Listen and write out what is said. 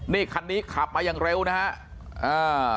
นี่คันนี้ขับมาอย่างเร็วนะฮะ